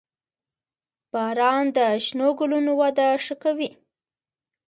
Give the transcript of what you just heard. • باران د شنو ګلونو وده ښه کوي.